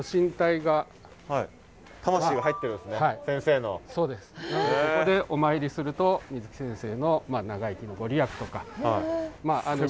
なのでここでお参りすると水木先生の長生きの御利益とか。